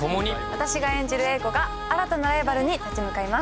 私が演じる英子が新たなライバルに立ち向かいます。